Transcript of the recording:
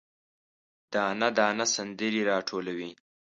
دانه، دانه سندرې، راټولوي